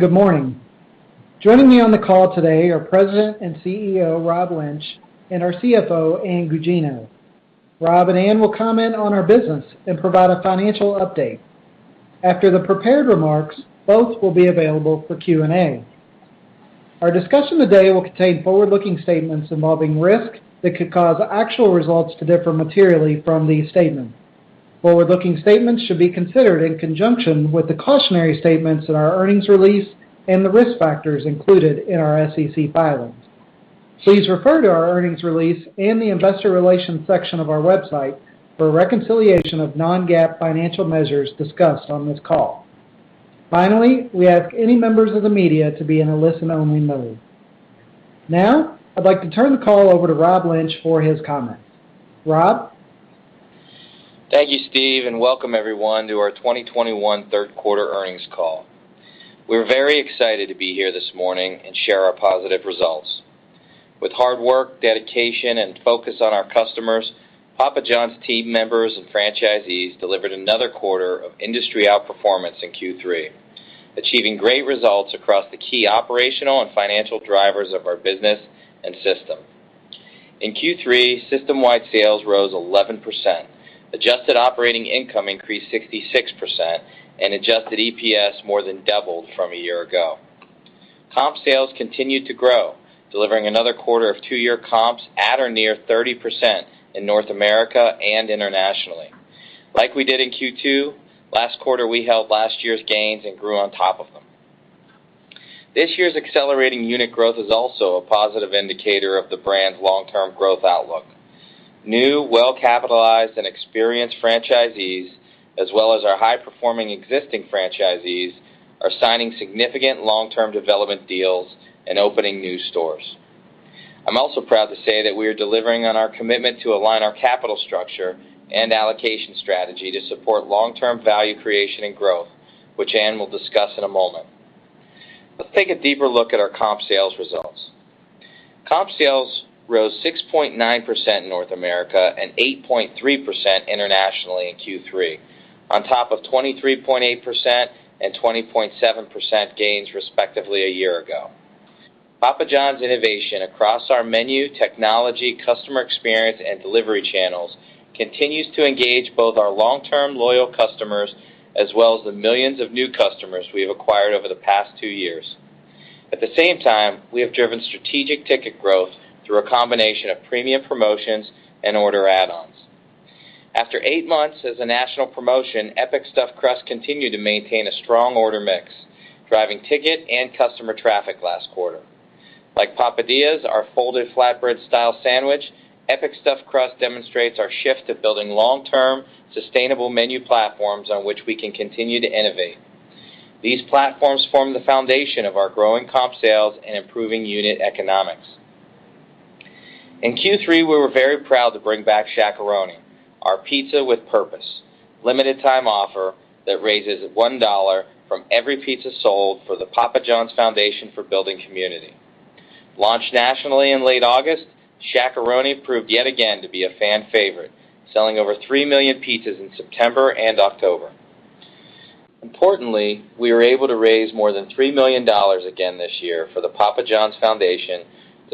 Good morning. Joining me on the call today are President and CEO, Rob Lynch, and our CFO, Ann Gugino. Rob and Ann will comment on our business and provide a financial update. After the prepared remarks, both will be available for Q&A. Our discussion today will contain forward-looking statements involving risks that could cause actual results to differ materially from these statements. Forward-looking statements should be considered in conjunction with the cautionary statements in our earnings release and the risk factors included in our SEC filings. Please refer to our earnings release and the investor relations section of our website for a reconciliation of non-GAAP financial measures discussed on this call. Finally, we ask any members of the media to be in a listen-only mode. Now, I'd like to turn the call over to Rob Lynch for his comments. Rob? Thank you, Steve, and welcome everyone to our 2021 Q3 earnings call. We're very excited to be here this morning and share our positive results. With hard work, dedication, and focus on our customers, Papa John's team members and franchisees delivered another quarter of industry outperformance in Q3, achieving great results across the key operational and financial drivers of our business and system. In Q3, system-wide sales rose 11%, adjusted operating income increased 66%, and adjusted EPS more than doubled from a year ago. Comp sales continued to grow, delivering another quarter of two-year comps at or near 30% in North America and internationally. Like we did in Q2, last quarter we held last year's gains and grew on top of them. This year's accelerating unit growth is also a positive indicator of the brand's long-term growth outlook. New, well-capitalized, and experienced franchisees, as well as our high-performing existing franchisees, are signing significant long-term development deals and opening new stores. I'm also proud to say that we are delivering on our commitment to align our capital structure and allocation strategy to support long-term value creation and growth, which Ann will discuss in a moment. Let's take a deeper look at our comp sales results. Comp sales rose 6.9% in North America and 8.3% internationally in Q3, on top of 23.8% and 20.7% gains respectively a year ago. Papa John's innovation across our menu, technology, customer experience, and delivery channels continues to engage both our long-term loyal customers as well as the millions of new customers we have acquired over the past two years. At the same time, we have driven strategic ticket growth through a combination of premium promotions and order add-ons. After eight months as a national promotion, Epic Stuffed Crust continued to maintain a strong order mix, driving ticket and customer traffic last quarter. Like Papadias, our folded flatbread style sandwich, Epic Stuffed Crust demonstrates our shift to building long-term, sustainable menu platforms on which we can continue to innovate. These platforms form the foundation of our growing comp sales and improving unit economics. In Q3, we were very proud to bring back Shaq-a-Roni, our pizza with purpose, limited time offer that raises $1 from every pizza sold for the Papa John's Foundation for Building Community. Launched nationally in late August, Shaq-a-Roni proved yet again to be a fan favorite, selling over 3 million pizzas in September and October. Importantly, we were able to raise more than $3 million again this year for the Papa John's Foundation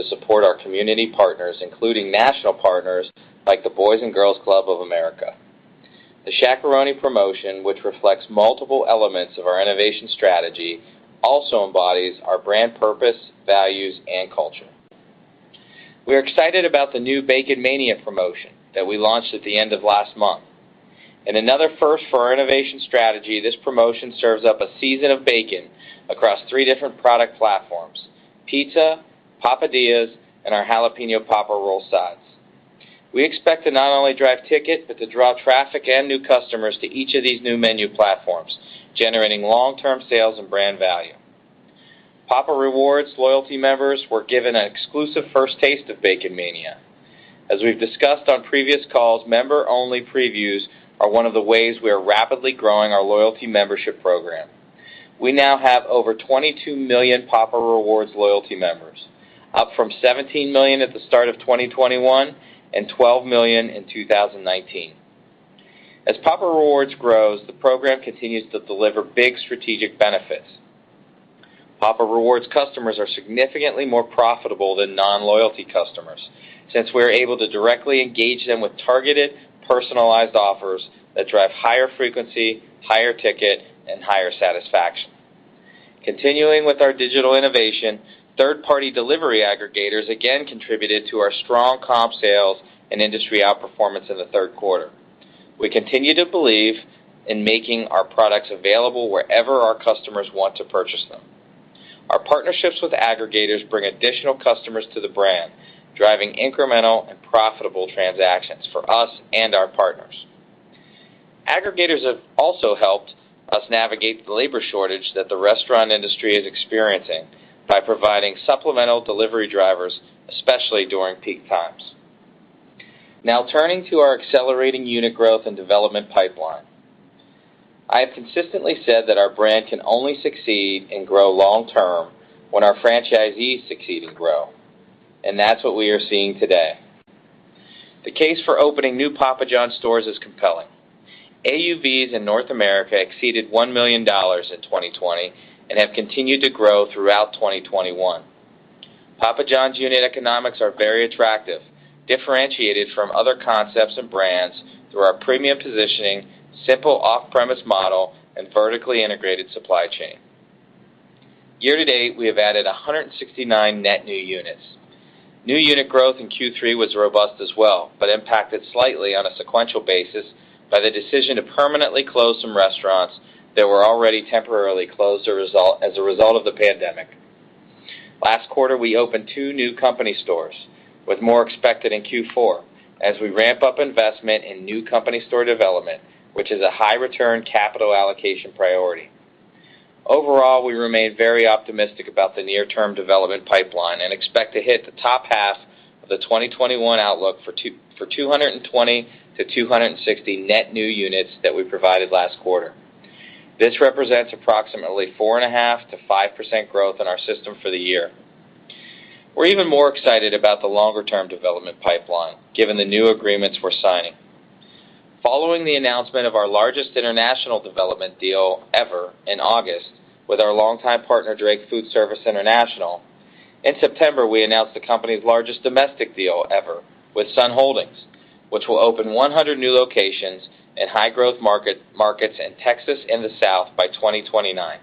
to support our community partners, including national partners like the Boys & Girls Clubs of America. The Shaq-a-Roni promotion, which reflects multiple elements of our innovation strategy, also embodies our brand purpose, values, and culture. We are excited about the new BaconMania promotion that we launched at the end of last month. In another first for our innovation strategy, this promotion serves up a season of bacon across three different product platforms, pizza, Papadias, and our Jalapeño Popper Rolls sides. We expect to not only drive ticket, but to draw traffic and new customers to each of these new menu platforms, generating long-term sales and brand value. Papa Rewards loyalty members were given an exclusive first taste of BaconMania. As we've discussed on previous calls, member-only previews are one of the ways we are rapidly growing our loyalty membership program. We now have over 22 million Papa Rewards loyalty members, up from 17 million at the start of 2021 and 12 million in 2019. As Papa Rewards grows, the program continues to deliver big strategic benefits. Papa Rewards customers are significantly more profitable than non-loyalty customers since we're able to directly engage them with targeted, personalized offers that drive higher frequency, higher ticket, and higher satisfaction. Continuing with our digital innovation, third-party delivery aggregators again contributed to our strong comp sales and industry outperformance in the Q3. We continue to believe in making our products available wherever our customers want to purchase them. Our partnerships with aggregators bring additional customers to the brand, driving incremental and profitable transactions for us and our partners. Aggregators have also helped us navigate the labor shortage that the restaurant industry is experiencing by providing supplemental delivery drivers, especially during peak times. Now turning to our accelerating unit growth and development pipeline. I have consistently said that our brand can only succeed and grow long term when our franchisees succeed and grow, and that's what we are seeing today. The case for opening new Papa John's stores is compelling. AUVs in North America exceeded $1 million in 2020, and have continued to grow throughout 2021. Papa John's unit economics are very attractive, differentiated from other concepts and brands through our premium positioning, simple off-premise model, and vertically integrated supply chain. Year to date, we have added 169 net new units. New unit growth in Q3 was robust as well, but impacted slightly on a sequential basis by the decision to permanently close some restaurants that were already temporarily closed as a result of the pandemic. Last quarter, we opened 2 new company stores, with more expected in Q4 as we ramp up investment in new company store development, which is a high return capital allocation priority. Overall, we remain very optimistic about the near term development pipeline and expect to hit the top half of the 2021 outlook for 220-260 net new units that we provided last quarter. This represents approximately 4.5%-5% growth in our system for the year. We're even more excited about the longer-term development pipeline, given the new agreements we're signing. Following the announcement of our largest international development deal ever in August with our long-time partner, Drake Food Service International, in September, we announced the company's largest domestic deal ever with Sun Holdings, which will open 100 new locations in high growth markets in Texas and the South by 2029.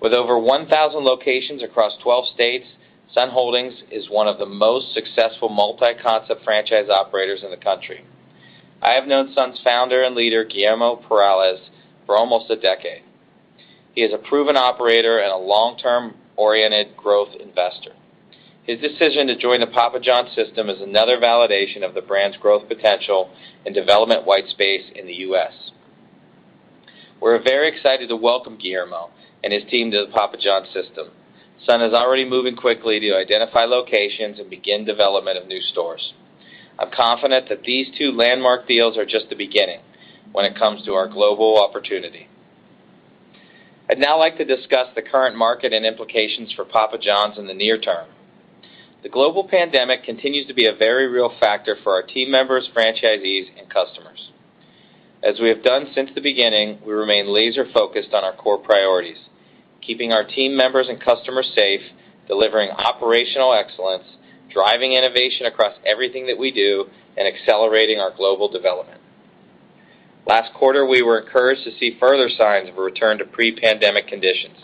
With over 1,000 locations across 12 states, Sun Holdings is one of the most successful multi-concept franchise operators in the country. I have known Sun's founder and leader, Guillermo Perales, for almost a decade. He is a proven operator and a long-term oriented growth investor. His decision to join the Papa John's system is another validation of the brand's growth potential and development white space in the U.S. We're very excited to welcome Guillermo and his team to the Papa John's system. Sun is already moving quickly to identify locations and begin development of new stores. I'm confident that these two landmark deals are just the beginning when it comes to our global opportunity. I'd now like to discuss the current market and implications for Papa John's in the near term. The global pandemic continues to be a very real factor for our team members, franchisees, and customers. As we have done since the beginning, we remain laser-focused on our core priorities, keeping our team members and customers safe, delivering operational excellence, driving innovation across everything that we do, and accelerating our global development. Last quarter, we were encouraged to see further signs of a return to pre-pandemic conditions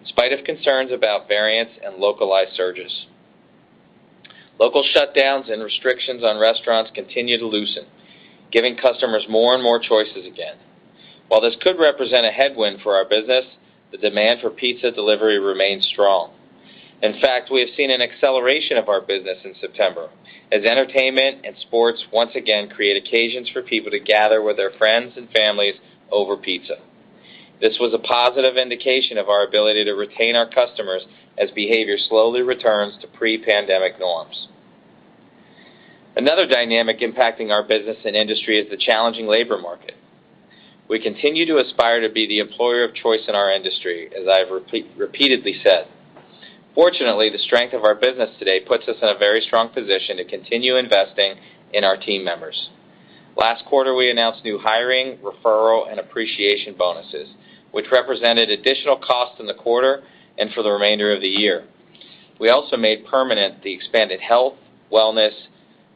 in spite of concerns about variants and localized surges. Local shutdowns and restrictions on restaurants continue to loosen, giving customers more and more choices again. While this could represent a headwind for our business, the demand for pizza delivery remains strong. In fact, we have seen an acceleration of our business in September as entertainment and sports once again create occasions for people to gather with their friends and families over pizza. This was a positive indication of our ability to retain our customers as behavior slowly returns to pre-pandemic norms. Another dynamic impacting our business and industry is the challenging labor market. We continue to aspire to be the employer of choice in our industry, as I have repeatedly said. Fortunately, the strength of our business today puts us in a very strong position to continue investing in our team members. Last quarter, we announced new hiring, referral, and appreciation bonuses, which represented additional costs in the quarter and for the remainder of the year. We also made permanent the expanded health, wellness,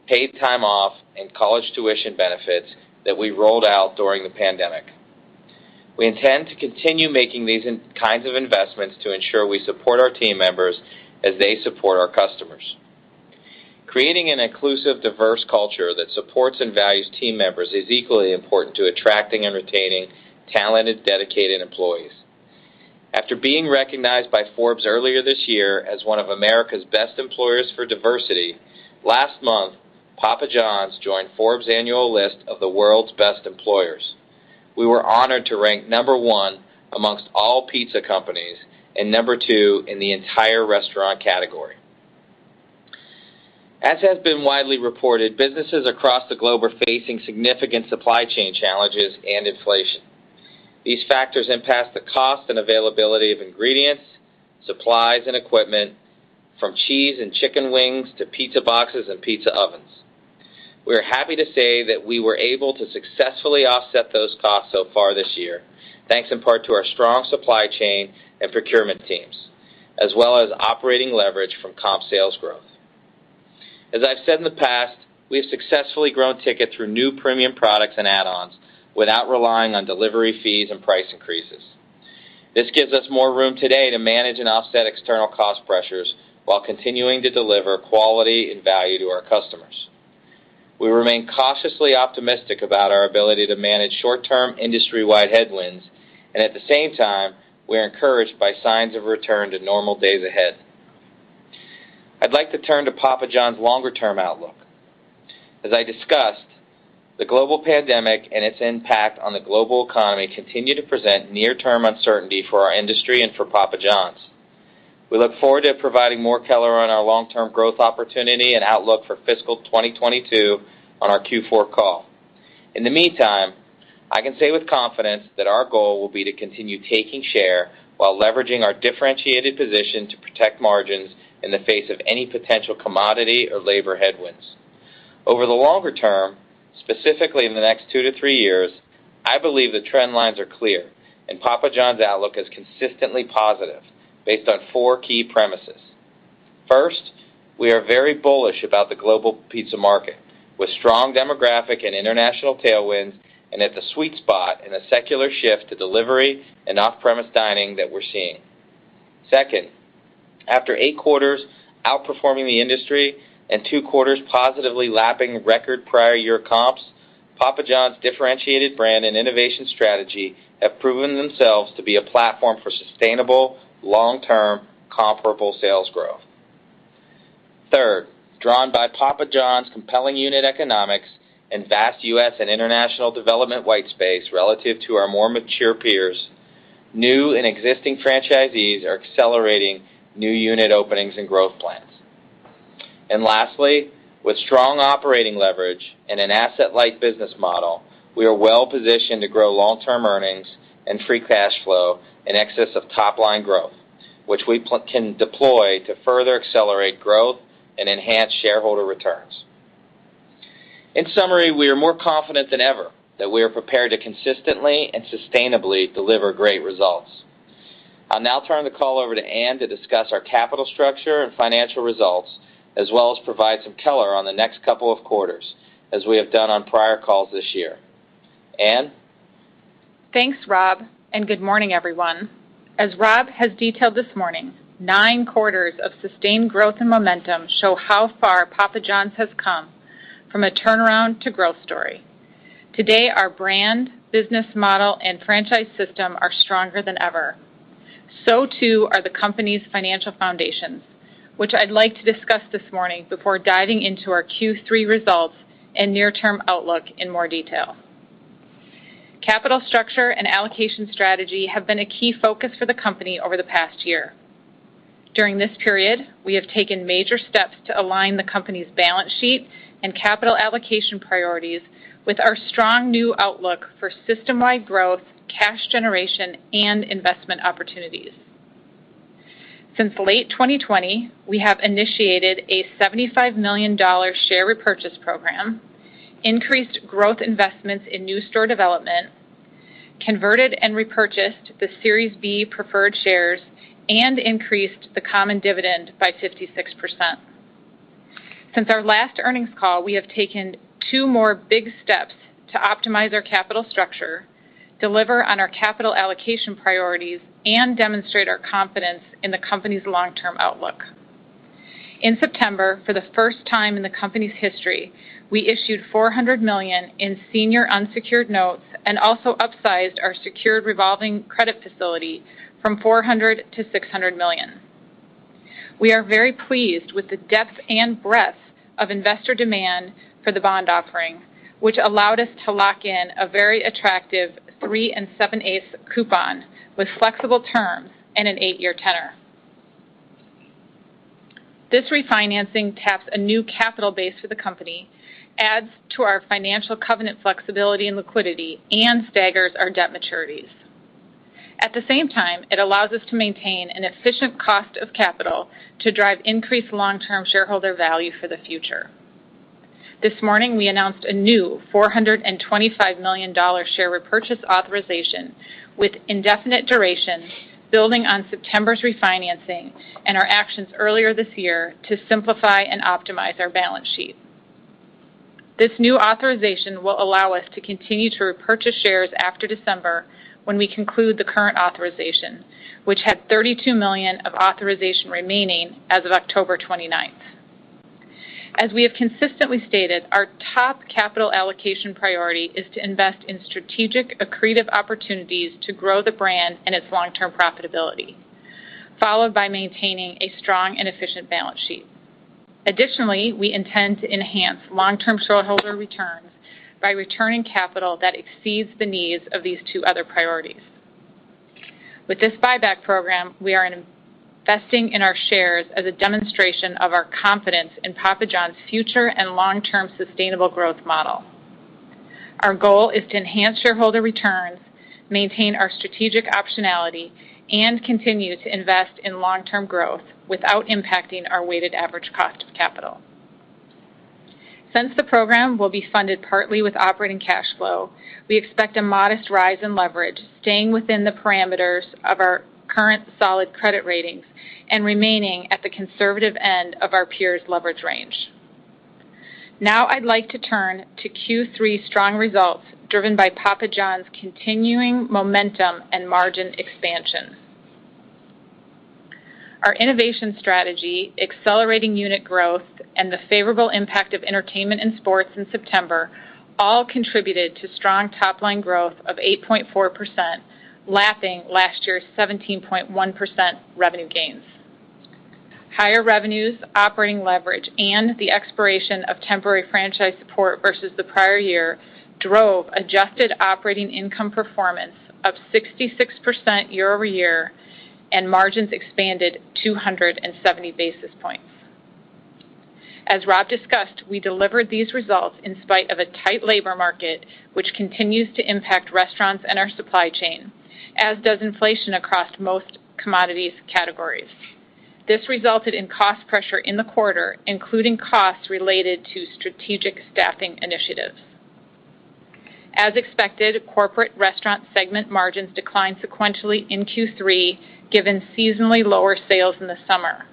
paid time off, and college tuition benefits that we rolled out during the pandemic. We intend to continue making these kinds of investments to ensure we support our team members as they support our customers. Creating an inclusive, diverse culture that supports and values team members is equally important to attracting and retaining talented, dedicated employees. After being recognized by Forbes earlier this year as one of America's Best Employers for Diversity, last month, Papa John's joined Forbes' annual list of the World's Best Employers. We were honored to rank number one amongst all pizza companies and number two in the entire restaurant category. As has been widely reported, businesses across the globe are facing significant supply chain challenges and inflation. These factors impact the cost and availability of ingredients, supplies, and equipment from cheese and chicken wings to pizza boxes and pizza ovens. We are happy to say that we were able to successfully offset those costs so far this year, thanks in part to our strong supply chain and procurement teams, as well as operating leverage from comp sales growth. As I've said in the past, we have successfully grown ticket through new premium products and add-ons without relying on delivery fees and price increases. This gives us more room today to manage and offset external cost pressures while continuing to deliver quality and value to our customers. We remain cautiously optimistic about our ability to manage short-term industry wide headwinds, and at the same time, we are encouraged by signs of a return to normal days ahead. I'd like to turn to Papa John's longer term outlook. As I discussed, the global pandemic and its impact on the global economy continue to present near-term uncertainty for our industry and for Papa John's. We look forward to providing more color on our long-term growth opportunity and outlook for fiscal 2022 on our Q4 call. In the meantime, I can say with confidence that our goal will be to continue taking share while leveraging our differentiated position to protect margins in the face of any potential commodity or labor headwinds. Over the longer term, specifically in the next two to three years, I believe the trend lines are clear and Papa John's outlook is consistently positive based on four key premises. First, we are very bullish about the global pizza market with strong demographic and international tailwinds and at the sweet spot in a secular shift to delivery and off-premise dining that we're seeing. Second, after eight quarters outperforming the industry and two quarters positively lapping record prior year comps, Papa John's differentiated brand and innovation strategy have proven themselves to be a platform for sustainable, long-term comparable sales growth. Third, drawn by Papa John's compelling unit economics and vast U.S. and international development white space relative to our more mature peers, new and existing franchisees are accelerating new unit openings and growth plans. Lastly, with strong operating leverage and an asset-light business model, we are well-positioned to grow long-term earnings and free cash flow in excess of top line growth, which we can deploy to further accelerate growth and enhance shareholder returns. In summary, we are more confident than ever that we are prepared to consistently and sustainably deliver great results. I'll now turn the call over to Ann to discuss our capital structure and financial results, as well as provide some color on the next couple of quarters as we have done on prior calls this year. Ann? Thanks, Rob, and good morning, everyone. As Rob has detailed this morning, nine quarters of sustained growth and momentum show how far Papa John's has come from a turnaround to growth story. Today, our brand, business model, and franchise system are stronger than ever. Too are the company's financial foundations, which I'd like to discuss this morning before diving into our Q3 results and near-term outlook in more detail. Capital structure and allocation strategy have been a key focus for the company over the past year. During this period, we have taken major steps to align the company's balance sheet and capital allocation priorities with our strong new outlook for system-wide growth, cash generation, and investment opportunities. Since late 2020, we have initiated a $75 million share repurchase program, increased growth investments in new store development, converted and repurchased the Series B preferred shares, and increased the common dividend by 56%. Since our last earnings call, we have taken two more big steps to optimize our capital structure, deliver on our capital allocation priorities, and demonstrate our confidence in the company's long-term outlook. In September, for the first time in the company's history, we issued $400 million in senior unsecured notes and also upsized our secured revolving credit facility from $400 million to $600 million. We are very pleased with the depth and breadth of investor demand for the bond offering, which allowed us to lock in a very attractive 3 7/8% coupon with flexible terms and an 8-year tenor. This refinancing taps a new capital base for the company, adds to our financial covenant flexibility and liquidity, and staggers our debt maturities. At the same time, it allows us to maintain an efficient cost of capital to drive increased long-term shareholder value for the future. This morning, we announced a new $425 million share repurchase authorization with indefinite duration, building on September's refinancing and our actions earlier this year to simplify and optimize our balance sheet. This new authorization will allow us to continue to repurchase shares after December, when we conclude the current authorization, which had $32 million of authorization remaining as of October 29. As we have consistently stated, our top capital allocation priority is to invest in strategic, accretive opportunities to grow the brand and its long-term profitability, followed by maintaining a strong and efficient balance sheet. Additionally, we intend to enhance long-term shareholder returns by returning capital that exceeds the needs of these two other priorities. With this buyback program, we are investing in our shares as a demonstration of our confidence in Papa John's future and long-term sustainable growth model. Our goal is to enhance shareholder returns, maintain our strategic optionality, and continue to invest in long-term growth without impacting our weighted average cost of capital. Since the program will be funded partly with operating cash flow, we expect a modest rise in leverage, staying within the parameters of our current solid credit ratings and remaining at the conservative end of our peers' leverage range. Now I'd like to turn to Q3 strong results driven by Papa John's continuing momentum and margin expansion. Our innovation strategy, accelerating unit growth, and the favorable impact of entertainment and sports in September all contributed to strong top-line growth of 8.4%, lapping last year's 17.1% revenue gains. Higher revenues, operating leverage, and the expiration of temporary franchise support versus the prior year drove adjusted operating income performance of 66% year-over-year and margins expanded 270 basis points. As Rob discussed, we delivered these results in spite of a tight labor market, which continues to impact restaurants and our supply chain, as does inflation across most commodities categories. This resulted in cost pressure in the quarter, including costs related to strategic staffing initiatives. As expected, corporate restaurant segment margins declined sequentially in Q3, given seasonally lower sales in the summer.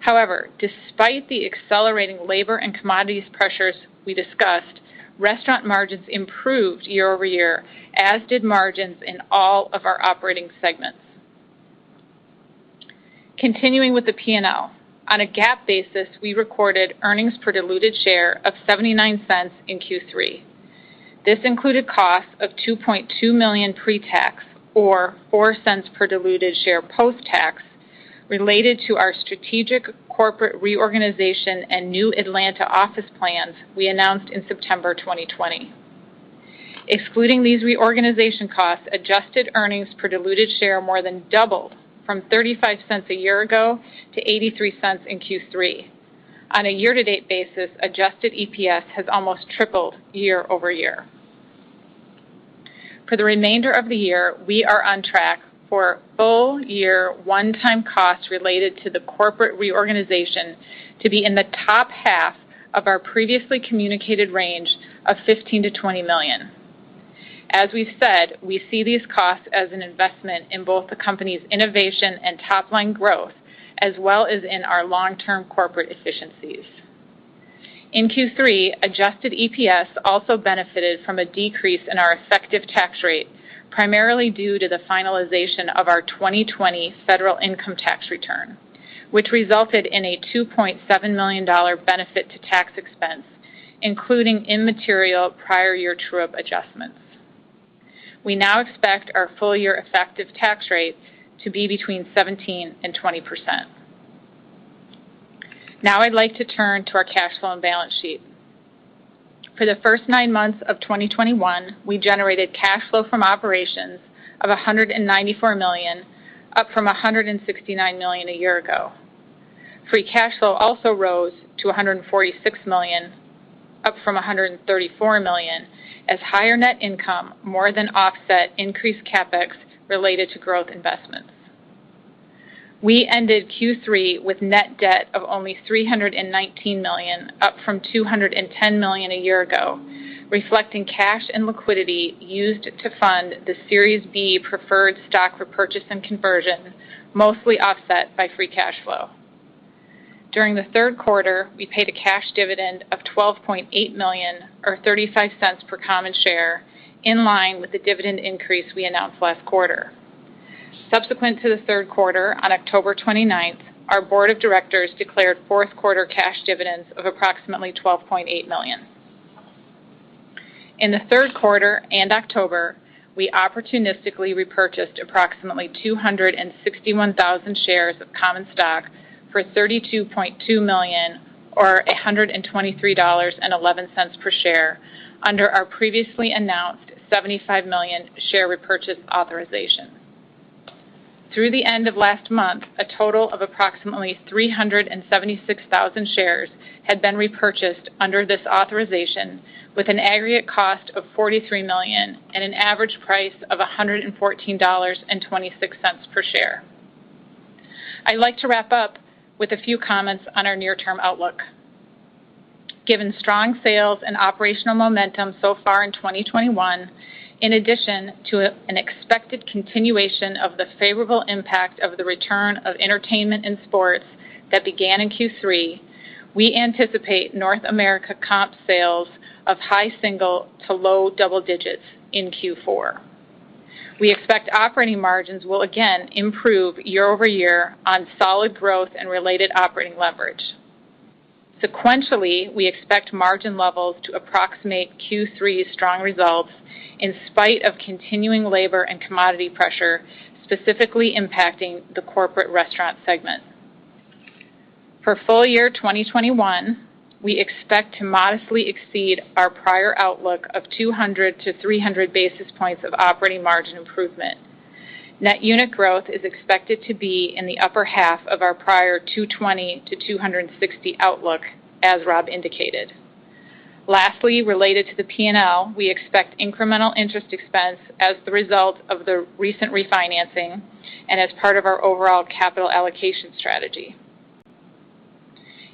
However, despite the accelerating labor and commodities pressures we discussed, restaurant margins improved year-over-year, as did margins in all of our operating segments. Continuing with the P&L, on a GAAP basis, we recorded earnings per diluted share of $0.79 in Q3. This included costs of $2.2 million pre-tax, or $0.04 per diluted share post-tax, related to our strategic corporate reorganization and new Atlanta office plans we announced in September 2020. Excluding these reorganization costs, adjusted earnings per diluted share more than doubled from $0.35 a year ago to $0.83 in Q3. On a year-to-date basis, adjusted EPS has almost tripled year-over-year. For the remainder of the year, we are on track for full-year one-time costs related to the corporate reorganization to be in the top half of our previously communicated range of $15 million-$20 million. As we've said, we see these costs as an investment in both the company's innovation and top-line growth, as well as in our long-term corporate efficiencies. In Q3, adjusted EPS also benefited from a decrease in our effective tax rate, primarily due to the finalization of our 2020 federal income tax return, which resulted in a $2.7 million benefit to tax expense, including immaterial prior year true-up adjustments. We now expect our full-year effective tax rate to be 17%-20%. Now I'd like to turn to our cash flow and balance sheet. For the first nine months of 2021, we generated cash flow from operations of $194 million, up from $169 million a year ago. Free cash flow also rose to $146 million, up from $134 million, as higher net income more than offset increased CapEx related to growth investments. We ended Q3 with net debt of only $319 million, up from $210 million a year ago, reflecting cash and liquidity used to fund the Series B preferred stock repurchase and conversion, mostly offset by free cash flow. During the Q3, we paid a cash dividend of $12.8 million, or $0.35 per common share, in line with the dividend increase we announced last quarter. Subsequent to the Q3, on October 29, our board of directors declared Q4 cash dividends of approximately $12.8 million. In the Q3 and October, we opportunistically repurchased approximately 261,000 shares of common stock for $32.2 million, or $123.11 per share, under our previously announced $75 million share repurchase authorization. Through the end of last month, a total of approximately 376,000 shares had been repurchased under this authorization, with an aggregate cost of $43 million and an average price of $114.26 per share. I'd like to wrap up with a few comments on our near-term outlook. Given strong sales and operational momentum so far in 2021, in addition to an expected continuation of the favorable impact of the return of entertainment and sports that began in Q3, we anticipate North America comp sales of high single to low double digits in Q4. We expect operating margins will again improve year-over-year on solid growth and related operating leverage. Sequentially, we expect margin levels to approximate Q3 strong results in spite of continuing labor and commodity pressure, specifically impacting the corporate restaurant segment. For full year 2021, we expect to modestly exceed our prior outlook of 200-300 basis points of operating margin improvement. Net unit growth is expected to be in the upper half of our prior 220-260 outlook, as Rob indicated. Lastly, related to the P&L, we expect incremental interest expense as the result of the recent refinancing and as part of our overall capital allocation strategy.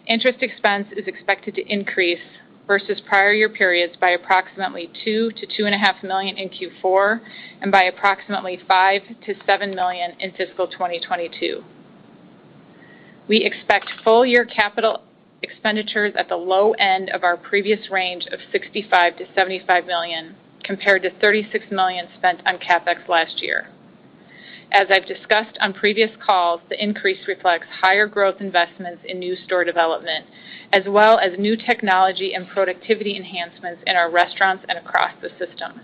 Interest expense is expected to increase versus prior year periods by approximately $2 million-$2.5 million in Q4 and by approximately $5 million-$7 million in fiscal 2022. We expect full year capital expenditures at the low end of our previous range of $65 million-$75 million, compared to $36 million spent on CapEx last year. As I've discussed on previous calls, the increase reflects higher growth investments in new store development, as well as new technology and productivity enhancements in our restaurants and across the system.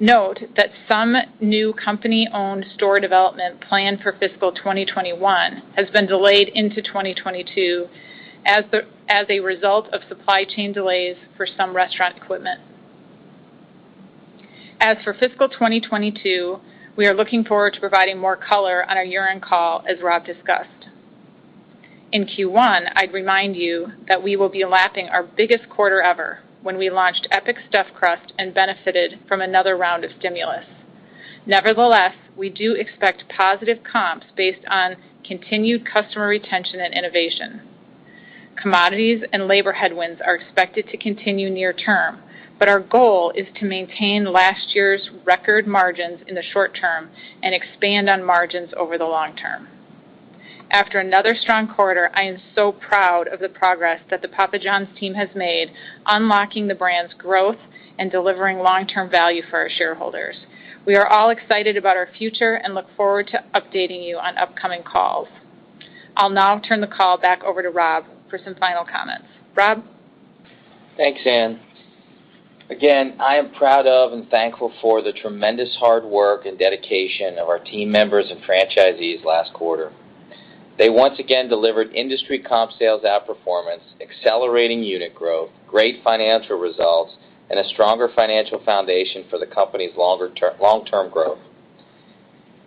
Note that some new company-owned store development planned for fiscal 2021 has been delayed into 2022 as a result of supply chain delays for some restaurant equipment. As for fiscal 2022, we are looking forward to providing more color on our year-end call, as Rob discussed. In Q1, I'd remind you that we will be lapping our biggest quarter ever when we launched Epic Stuffed Crust and benefited from another round of stimulus. Nevertheless, we do expect positive comps based on continued customer retention and innovation. Commodities and labor headwinds are expected to continue near term, but our goal is to maintain last year's record margins in the short term and expand on margins over the long term. After another strong quarter, I am so proud of the progress that the Papa John's team has made, unlocking the brand's growth and delivering long-term value for our shareholders. We are all excited about our future and look forward to updating you on upcoming calls. I'll now turn the call back over to Rob for some final comments. Rob? Thanks, Ann. Again, I am proud of and thankful for the tremendous hard work and dedication of our team members and franchisees last quarter. They once again delivered industry comp sales outperformance, accelerating unit growth, great financial results, and a stronger financial foundation for the company's long-term growth.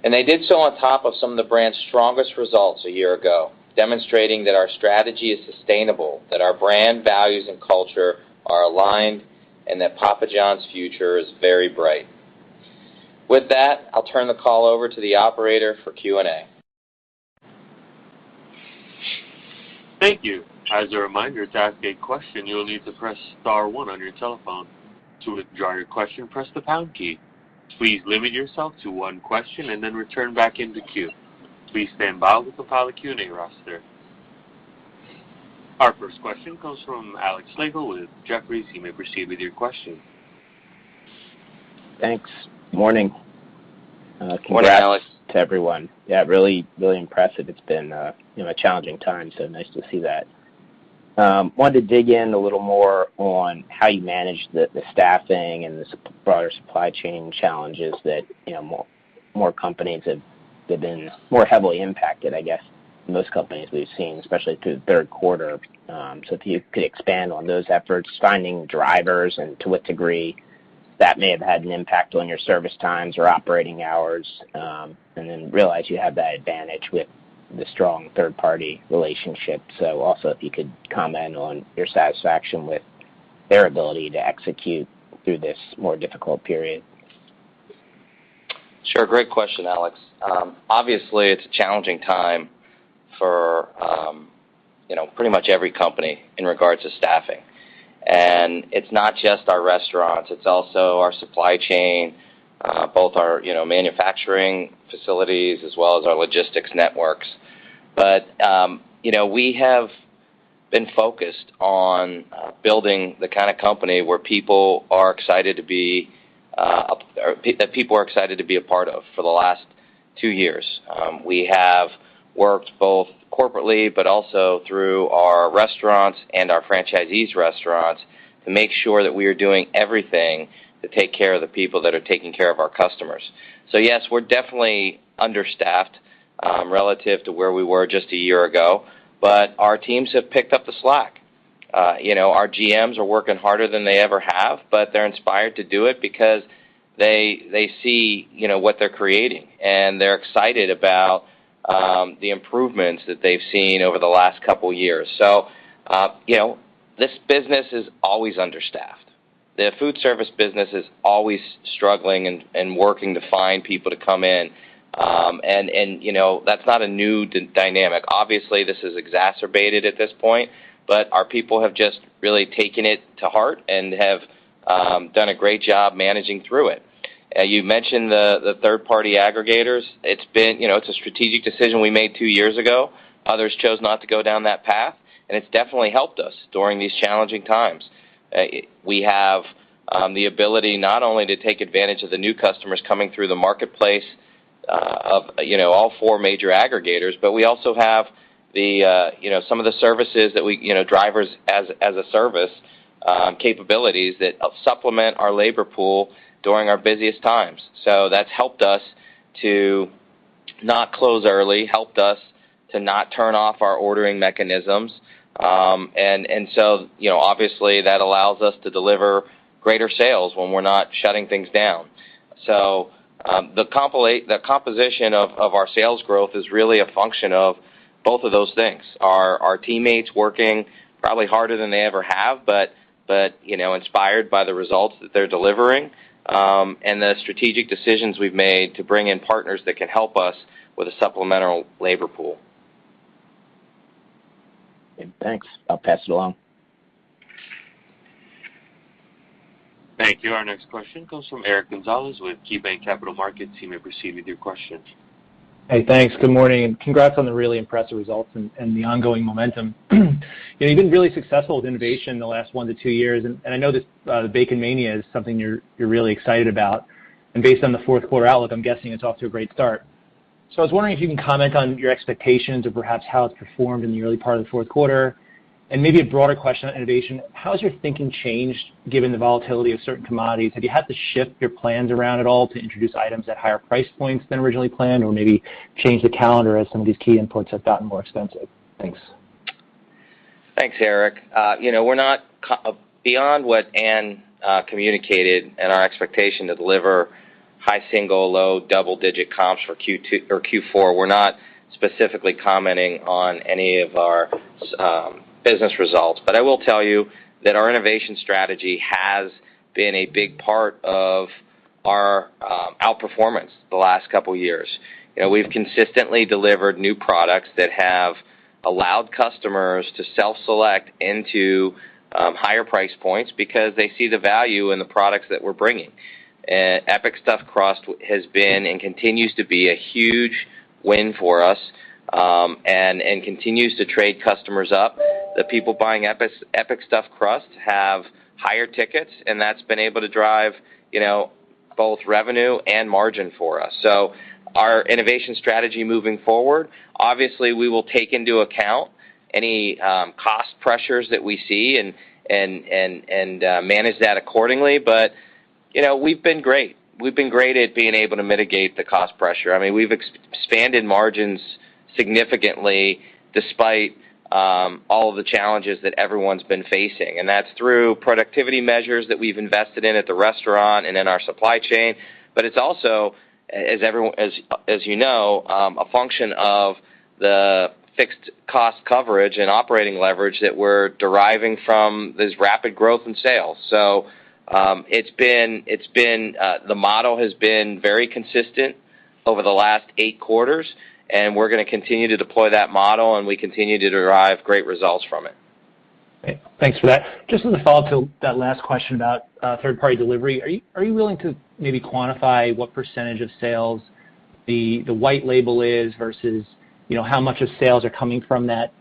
They did so on top of some of the brand's strongest results a year ago, demonstrating that our strategy is sustainable, that our brand values and culture are aligned, and that Papa John's future is very bright. With that, I'll turn the call over to the operator for Q&A. Thank you. As a reminder, to ask a question, you'll need to press star one on your telephone. To withdraw your question, press the pound key. Please limit yourself to one question and then return back into queue. Please stand by, we'll compile a Q&A roster. Our first question comes from Alex Slagle with Jefferies. You may proceed with your question. Thanks. Morning. Morning, Alex. Congrats to everyone. Yeah, really impressive. It's been, you know, a challenging time, so nice to see that. Wanted to dig in a little more on how you manage the staffing and the broader supply chain challenges that, you know, more companies have been more heavily impacted, I guess, most companies we've seen, especially through the Q3. If you could expand on those efforts, finding drivers and to what degree that may have had an impact on your service times or operating hours, and then realize you have that advantage with the strong third-party relationship. Also if you could comment on your satisfaction with their ability to execute through this more difficult period. Sure. Great question, Alex. Obviously it's a challenging time for, you know, pretty much every company in regards to staffing. It's not just our restaurants, it's also our supply chain, both our, you know, manufacturing facilities as well as our logistics networks. We have been focused on building the kind of company where people are excited to be a part of for the last two years. We have worked both corporately but also through our restaurants and our franchisees' restaurants to make sure that we are doing everything to take care of the people that are taking care of our customers. Yes, we're definitely understaffed, relative to where we were just a year ago, but our teams have picked up the slack. You know, our GMs are working harder than they ever have, but they're inspired to do it because they see, you know, what they're creating, and they're excited about the improvements that they've seen over the last couple years. You know, this business is always understaffed. The food service business is always struggling and working to find people to come in, and you know, that's not a new dynamic. Obviously, this is exacerbated at this point, but our people have just really taken it to heart and have done a great job managing through it. You mentioned the third party aggregators. You know, it's a strategic decision we made two years ago. Others chose not to go down that path, and it's definitely helped us during these challenging times. We have the ability not only to take advantage of the new customers coming through the marketplace of you know all four major aggregators, but we also have the you know some of the services that we you know drivers-as-a-service capabilities that supplement our labor pool during our busiest times. That's helped us to not close early, helped us to not turn off our ordering mechanisms, and so you know obviously that allows us to deliver greater sales when we're not shutting things down. The composition of our sales growth is really a function of both of those things, our teammates working probably harder than they ever have, but you know, inspired by the results that they're delivering, and the strategic decisions we've made to bring in partners that can help us with a supplemental labor pool. Okay, thanks. I'll pass it along. Thank you. Our next question comes from Eric Gonzalez with KeyBanc Capital Markets. You may proceed with your question. Hey, thanks. Good morning, and congrats on the really impressive results and the ongoing momentum. You know, you've been really successful with innovation in the last 1-2 years, and I know this, the BaconMania is something you're really excited about. Based on the Q4 outlook, I'm guessing it's off to a great start. I was wondering if you can comment on your expectations or perhaps how it's performed in the early part of the Q4. Maybe a broader question on innovation, how has your thinking changed given the volatility of certain commodities? Have you had to shift your plans around at all to introduce items at higher price points than originally planned or maybe change the calendar as some of these key inputs have gotten more expensive? Thanks. Thanks, Eric. You know, we're not beyond what Ann communicated and our expectation to deliver high single, low double-digit comps for Q2 or Q4, we're not specifically commenting on any of our business results. I will tell you that our innovation strategy has been a big part of our outperformance the last couple years. You know, we've consistently delivered new products that have allowed customers to self-select into higher price points because they see the value in the products that we're bringing. Epic Stuffed Crust has been and continues to be a huge win for us, and continues to trade customers up. The people buying Epic Stuffed Crust have higher tickets, and that's been able to drive you know, both revenue and margin for us. Our innovation strategy moving forward, obviously, we will take into account any cost pressures that we see and manage that accordingly. You know, we've been great at being able to mitigate the cost pressure. I mean, we've expanded margins significantly despite all of the challenges that everyone's been facing. That's through productivity measures that we've invested in at the restaurant and in our supply chain. It's also, as you know, a function of the fixed cost coverage and operating leverage that we're deriving from this rapid growth in sales. It's been the model has been very consistent over the last eight quarters, and we're gonna continue to deploy that model, and we continue to derive great results from it. Great. Thanks for that. Just as a follow-up to that last question about third-party delivery, are you willing to maybe quantify what percentage of sales the white label is versus, you know, how much of sales are coming from that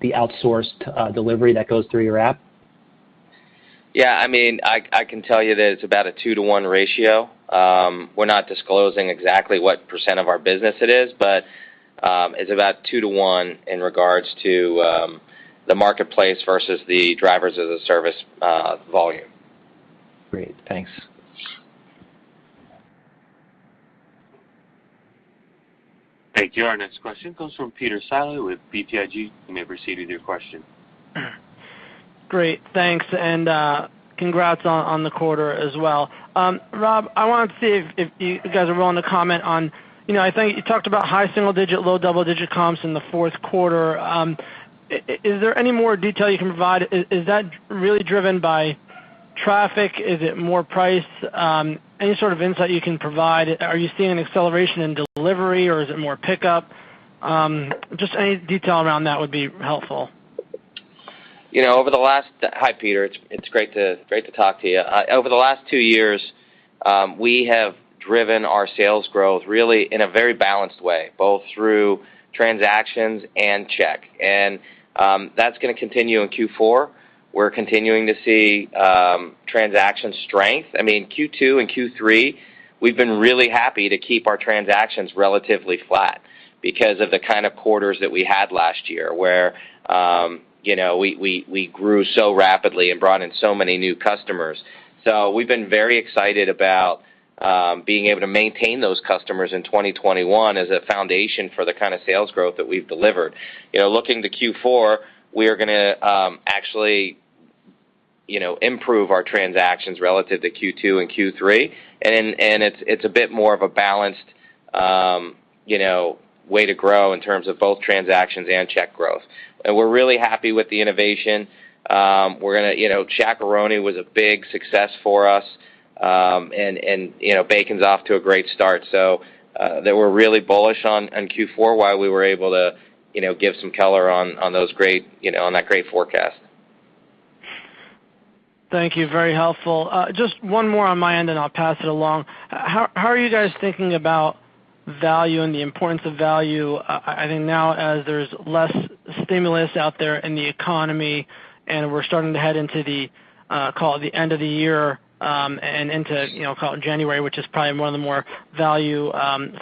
the outsourced delivery that goes through your app? Yeah. I mean, I can tell you that it's about a 2-to-1 ratio. We're not disclosing exactly what % of our business it is, but it's about 2 to 1 in regards to the marketplace versus the drivers as a service volume. Great. Thanks. Thank you. Our next question comes from Peter Saleh with BTIG. You may proceed with your question. Great. Thanks, and congrats on the quarter as well. Rob, I wanted to see if you guys are willing to comment on, you know, I think you talked about high single-digit, low double-digit comps in the Q4. Is there any more detail you can provide? Is that really driven by traffic? Is it more price? Any sort of insight you can provide? Are you seeing an acceleration in delivery, or is it more pickup? Just any detail around that would be helpful. Hi, Peter. It's great to talk to you. Over the last two years, we have driven our sales growth really in a very balanced way, both through transactions and check. That's gonna continue in Q4. We're continuing to see transaction strength. I mean, Q2 and Q3, we've been really happy to keep our transactions relatively flat because of the kind of quarters that we had last year, where you know, we grew so rapidly and brought in so many new customers. We've been very excited about being able to maintain those customers in 2021 as a foundation for the kind of sales growth that we've delivered. You know, looking to Q4, we are gonna actually, you know, improve our transactions relative to Q2 and Q3, and it's a bit more of a balanced, you know, way to grow in terms of both transactions and check growth. We're really happy with the innovation. You know, Shaq-a-Roni was a big success for us, and, you know, bacon's off to a great start. That we're really bullish on Q4, why we were able to, you know, give some color on that great forecast. Thank you. Very helpful. Just one more on my end, and I'll pass it along. How are you guys thinking about value and the importance of value? I think now as there's less stimulus out there in the economy, and we're starting to head into the end of the year, and into, you know, call it January, which is probably one of the more value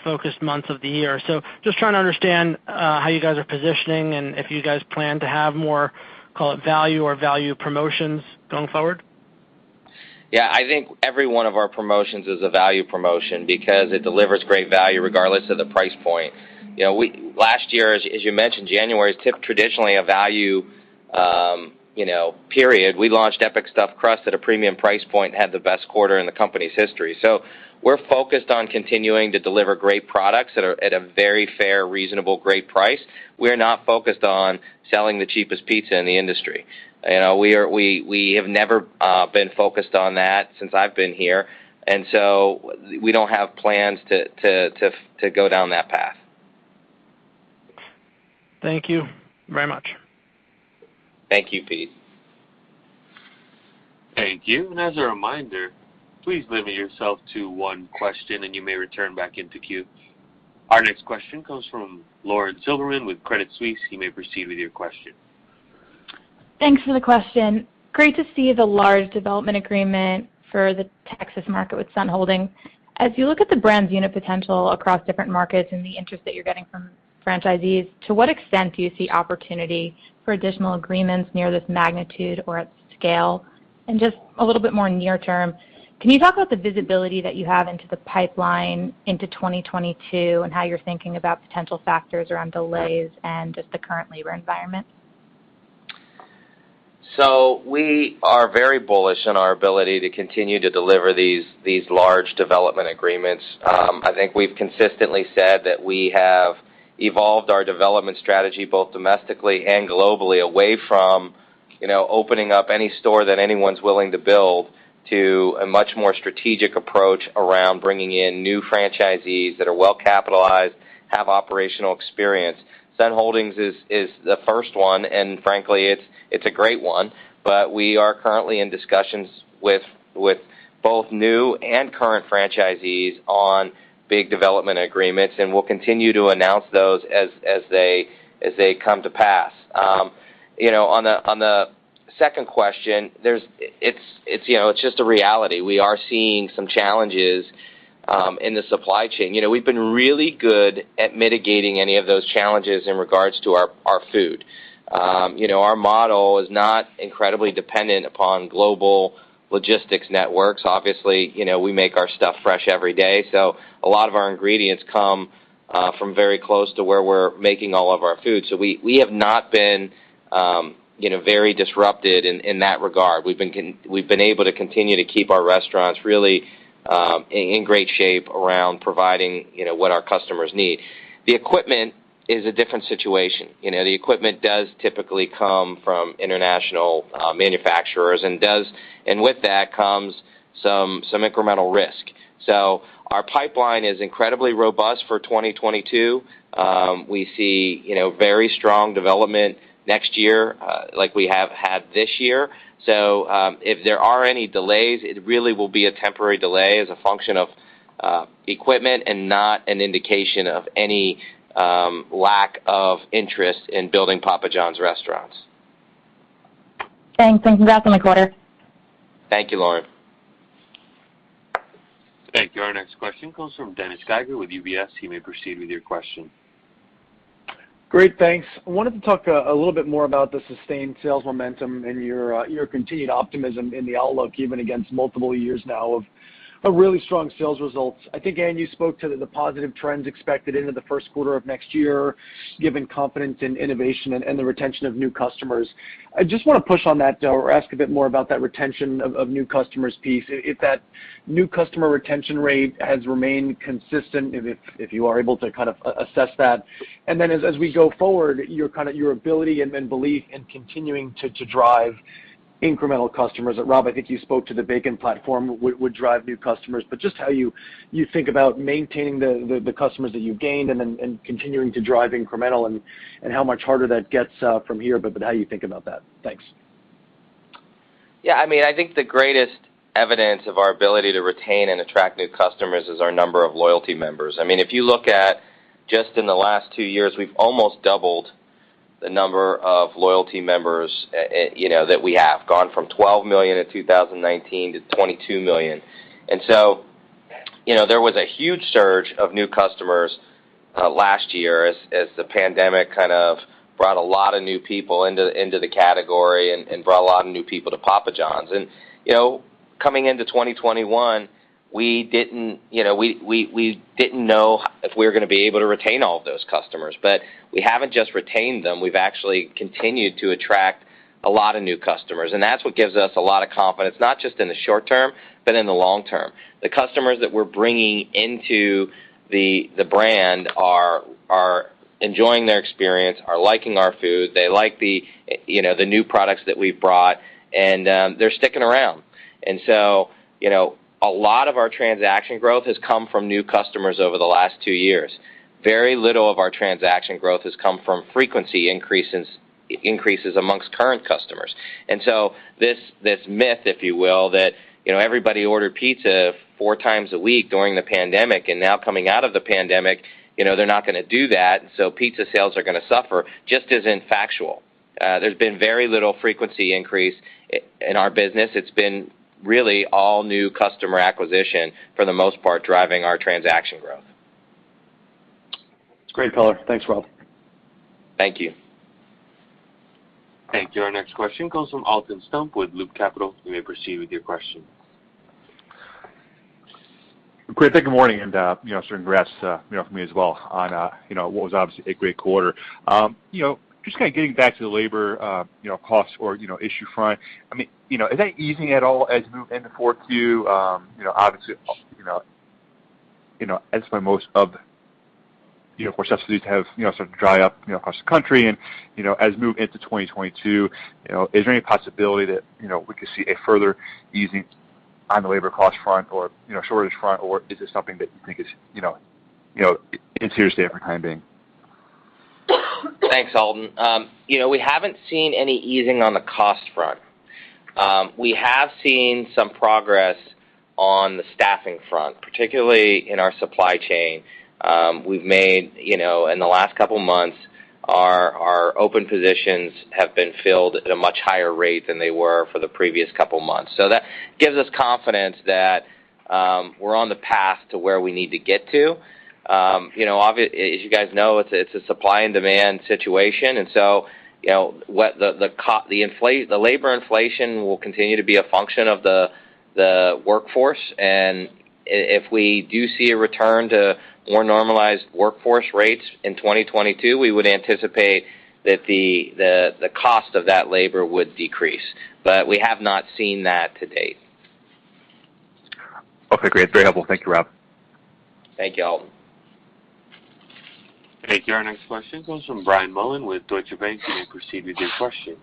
focused months of the year. So just trying to understand how you guys are positioning and if you guys plan to have more, call it value or value promotions going forward. Yeah. I think every one of our promotions is a value promotion because it delivers great value regardless of the price point. Last year, as you mentioned, January is traditionally a value period. We launched Epic Stuffed Crust at a premium price point and had the best quarter in the company's history. We're focused on continuing to deliver great products at a very fair, reasonable, great price. We're not focused on selling the cheapest pizza in the industry. We have never been focused on that since I've been here, and so we don't have plans to go down that path. Thank you very much. Thank you, Pete. Thank you. As a reminder, please limit yourself to one question, and you may return back into queue. Our next question comes from Lauren Silberman with Credit Suisse. You may proceed with your question. Thanks for the question. Great to see the large development agreement for the Texas market with Sun Holdings. As you look at the brand's unit potential across different markets and the interest that you're getting from franchisees, to what extent do you see opportunity for additional agreements near this magnitude or at scale? Just a little bit more near term, can you talk about the visibility that you have into the pipeline into 2022 and how you're thinking about potential factors around delays and just the current labor environment? We are very bullish in our ability to continue to deliver these large development agreements. I think we've consistently said that we have evolved our development strategy, both domestically and globally, away from, you know, opening up any store that anyone's willing to build to a much more strategic approach around bringing in new franchisees that are well-capitalized, have operational experience. Sun Holdings is the first one, and frankly, it's a great one. We are currently in discussions with both new and current franchisees on big development agreements, and we'll continue to announce those as they come to pass. You know, on the second question, it's, you know, it's just a reality. We are seeing some challenges in the supply chain. You know, we've been really good at mitigating any of those challenges in regards to our food. You know, our model is not incredibly dependent upon global logistics networks. Obviously, you know, we make our stuff fresh every day, so a lot of our ingredients come from very close to where we're making all of our food. We have not been, you know, very disrupted in that regard. We've been able to continue to keep our restaurants really in great shape around providing, you know, what our customers need. The equipment is a different situation. You know, the equipment does typically come from international manufacturers and with that comes some incremental risk. Our pipeline is incredibly robust for 2022. We see, you know, very strong development next year, like we have had this year. If there are any delays, it really will be a temporary delay as a function of equipment and not an indication of any lack of interest in building Papa John's restaurants. Thanks, and congrats on the quarter. Thank you, Lauren. Thank you. Our next question comes from Dennis Geiger with UBS. You may proceed with your question. Great. Thanks. I wanted to talk a little bit more about the sustained sales momentum and your continued optimism in the outlook, even against multiple years now of really strong sales results. I think, Ann, you spoke to the positive trends expected into the Q1 of next year, given confidence in innovation and the retention of new customers. I just wanna push on that though or ask a bit more about that retention of new customers piece if that new customer retention rate has remained consistent, if you are able to kind of assess that. Then as we go forward, your ability and belief in continuing to drive incremental customers. Rob, I think you spoke to the bacon platform would drive new customers, but just how you think about maintaining the customers that you've gained and then continuing to drive incremental and how much harder that gets from here, but how you think about that? Thanks. Yeah. I mean, I think the greatest evidence of our ability to retain and attract new customers is our number of loyalty members. I mean, if you look at just in the last two years, we've almost doubled the number of loyalty members, you know, that we have, gone from 12 million in 2019 to 22 million. You know, there was a huge surge of new customers last year as the pandemic kind of brought a lot of new people into the category and brought a lot of new people to Papa John's. You know, coming into 2021, we didn't, you know, we didn't know if we were gonna be able to retain all of those customers. We haven't just retained them, we've actually continued to attract a lot of new customers, and that's what gives us a lot of confidence, not just in the short term, but in the long term. The customers that we're bringing into the brand are enjoying their experience, are liking our food. They like you know, the new products that we've brought, and they're sticking around. You know, a lot of our transaction growth has come from new customers over the last two years. Very little of our transaction growth has come from frequency increases amongst current customers. This myth, if you will, that, you know, everybody ordered pizza four times a week during the pandemic, and now coming out of the pandemic, you know, they're not gonna do that, and so pizza sales are gonna suffer, just isn't factual. There's been very little frequency increase in our business. It's been really all new customer acquisition, for the most part, driving our transaction growth. Great color. Thanks, Rob. Thank you. Thank you. Our next question comes from Alton Stump with Loop Capital. You may proceed with your question. Great. Thank you. Good morning, and you know, congrats from me as well on what was obviously a great quarter. You know, just kinda getting back to the labor cost or issue front. I mean, you know, is that easing at all as you move into fourth Q? You know, obviously, as the subsidies have sort of dried up across the country and as we move into 2022, you know, is there any possibility that we could see a further easing on the labor cost front or shortage front, or is this something that you think is here to stay for the time being? Thanks, Alton. You know, we haven't seen any easing on the cost front. We have seen some progress on the staffing front, particularly in our supply chain. We've made, you know, in the last couple months, our open positions have been filled at a much higher rate than they were for the previous couple months. That gives us confidence that we're on the path to where we need to get to. You know, as you guys know, it's a supply and demand situation and so, you know, what the labor inflation will continue to be a function of the workforce. If we do see a return to more normalized workforce rates in 2022, we would anticipate that the cost of that labor would decrease. We have not seen that to date. Okay, great. Very helpful. Thank you, Rob. Thank you, Alton. Thank you. Our next question comes from Brian Mullan with Deutsche Bank. You may proceed with your question.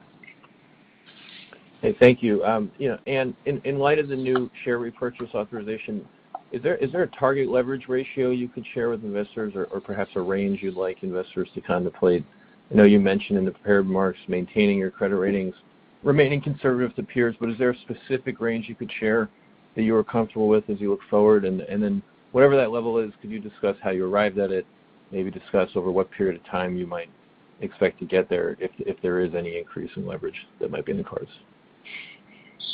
Hey, thank you. You know, in light of the new share repurchase authorization, is there a target leverage ratio you could share with investors or perhaps a range you'd like investors to contemplate? I know you mentioned in the prepared remarks maintaining your credit ratings, remaining conservative relative to peers, but is there a specific range you could share that you are comfortable with as you look forward? Then whatever that level is, could you discuss how you arrived at it, maybe discuss over what period of time you might expect to get there if there is any increase in leverage that might be in the cards?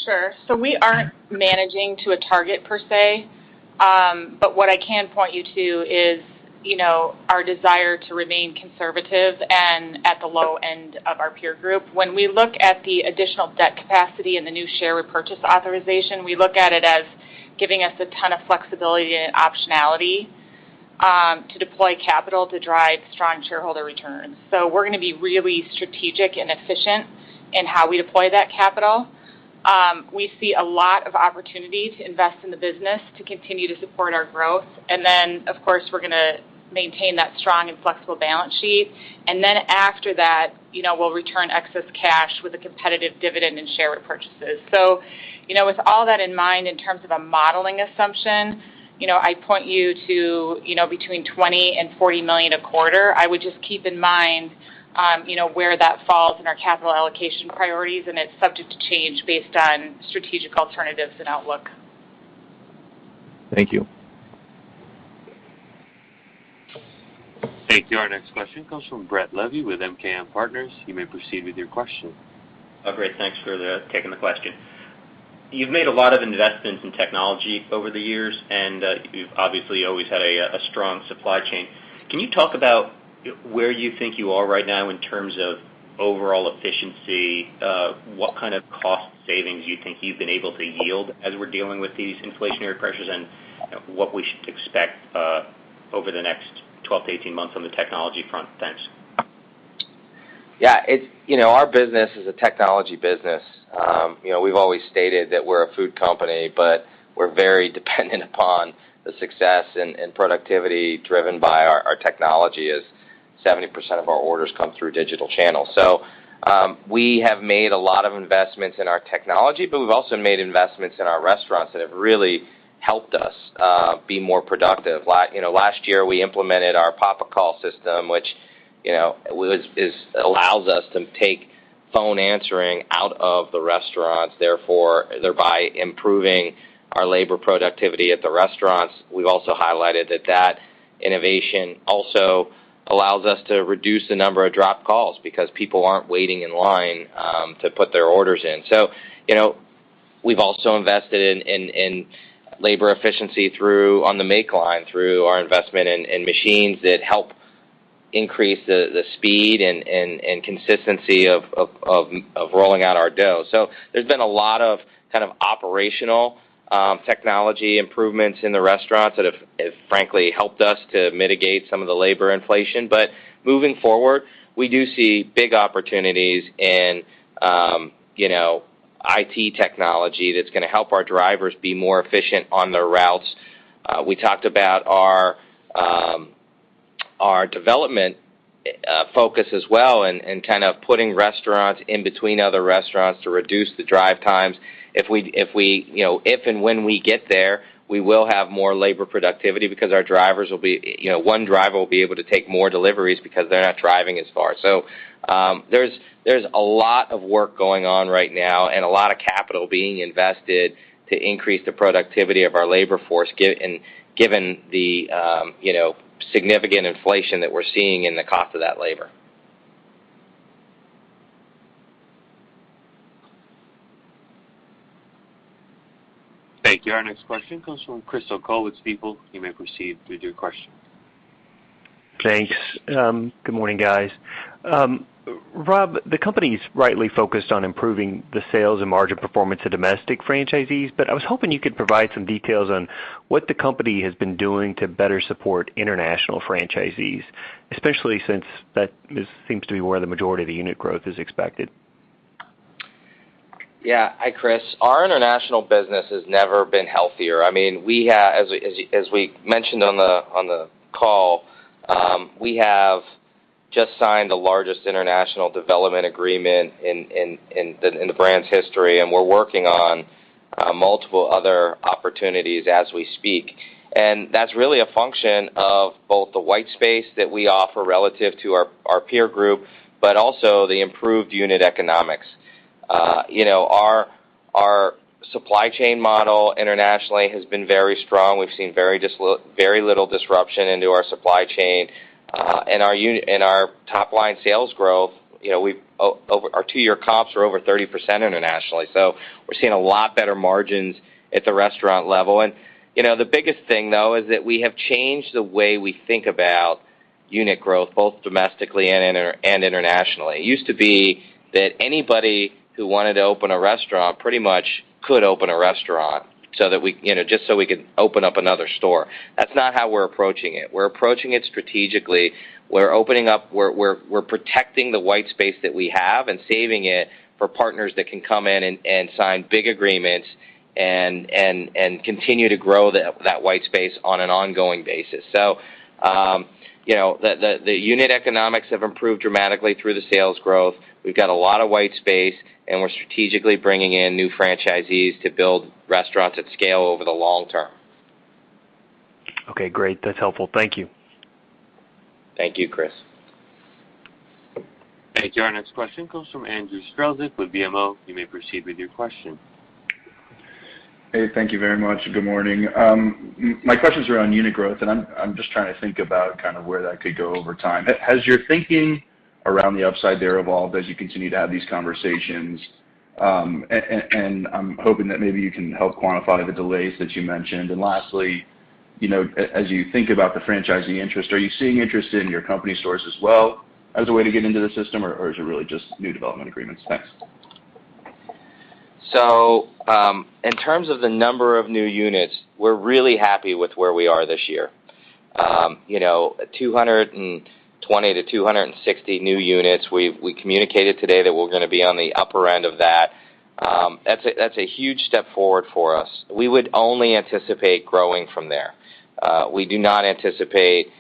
Sure. We aren't managing to a target per se. But what I can point you to is, you know, our desire to remain conservative and at the low end of our peer group. When we look at the additional debt capacity and the new share repurchase authorization, we look at it as giving us a ton of flexibility and optionality, to deploy capital to drive strong shareholder returns. We're gonna be really strategic and efficient in how we deploy that capital. We see a lot of opportunity to invest in the business to continue to support our growth. Then, of course, we're gonna maintain that strong and flexible balance sheet. Then after that, you know, we'll return excess cash with a competitive dividend and share repurchases. You know, with all that in mind, in terms of a modeling assumption, you know, I point you to, you know, between $20 million and $40 million a quarter. I would just keep in mind, you know, where that falls in our capital allocation priorities, and it's subject to change based on strategic alternatives and outlook. Thank you. Thank you. Our next question comes from Brett Levy with MKM Partners. You may proceed with your question. Oh, great. Thanks for taking the question. You've made a lot of investments in technology over the years, and you've obviously always had a strong supply chain. Can you talk about where you think you are right now in terms of overall efficiency, what kind of cost savings you think you've been able to yield as we're dealing with these inflationary pressures and what we should expect over the next 12-18 months on the technology front? Thanks. You know, our business is a technology business. You know, we've always stated that we're a food company, but we're very dependent upon the success and productivity driven by our technology as 70% of our orders come through digital channels. We have made a lot of investments in our technology, but we've also made investments in our restaurants that have really helped us be more productive. You know, last year, we implemented our Papa Call system, which allows us to take phone answering out of the restaurants, thereby improving our labor productivity at the restaurants. We've also highlighted that that innovation also allows us to reduce the number of dropped calls because people aren't waiting in line to put their orders in. You know, we've also invested in labor efficiency through on the make line, through our investment in machines that help increase the speed and consistency of rolling out our dough. There's been a lot of kind of operational technology improvements in the restaurants that have frankly helped us to mitigate some of the labor inflation. Moving forward, we do see big opportunities in you know, IT technology that's gonna help our drivers be more efficient on their routes. We talked about our development focus as well and kind of putting restaurants in between other restaurants to reduce the drive times. You know, if and when we get there, we will have more labor productivity because our drivers will be, you know, one driver will be able to take more deliveries because they're not driving as far. There's a lot of work going on right now and a lot of capital being invested to increase the productivity of our labor force and given the, you know, significant inflation that we're seeing in the cost of that labor. Thank you. Our next question comes from Chris O'Cull with Stifel. You may proceed with your question. Thanks. Good morning, guys. Rob, the company's rightly focused on improving the sales and margin performance of domestic franchisees, but I was hoping you could provide some details on what the company has been doing to better support international franchisees, especially since that seems to be where the majority of the unit growth is expected. Yeah. Hi, Chris. Our international business has never been healthier. I mean, as we mentioned on the call, we have just signed the largest international development agreement in the brand's history, and we're working on multiple other opportunities as we speak. And that's really a function of both the white space that we offer relative to our peer group, but also the improved unit economics. You know, our supply chain model internationally has been very strong. We've seen very little disruption into our supply chain and our top-line sales growth. You know, our two-year comps are over 30% internationally. So we're seeing a lot better margins at the restaurant level. You know, the biggest thing, though, is that we have changed the way we think about unit growth both domestically and internationally. It used to be that anybody who wanted to open a restaurant pretty much could open a restaurant so that we, you know, just so we could open up another store. That's not how we're approaching it. We're approaching it strategically. We're protecting the white space that we have and saving it for partners that can come in and continue to grow that white space on an ongoing basis. You know, the unit economics have improved dramatically through the sales growth. We've got a lot of white space, and we're strategically bringing in new franchisees to build restaurants at scale over the long term. Okay, great. That's helpful. Thank you. Thank you, Chris. Thank you. Our next question comes from Andrew Strelzik with BMO. You may proceed with your question. Hey, thank you very much, and good morning. My question's around unit growth, and I'm just trying to think about kind of where that could go over time. Has your thinking around the upside there evolved as you continue to have these conversations? I'm hoping that maybe you can help quantify the delays that you mentioned. Lastly, you know, as you think about the franchising interest, are you seeing interest in your company stores as well as a way to get into the system, or is it really just new development agreements? Thanks. In terms of the number of new units, we're really happy with where we are this year. You know, 220-260 new units. We communicated today that we're gonna be on the upper end of that. That's a huge step forward for us. We would only anticipate growing from there. We do not anticipate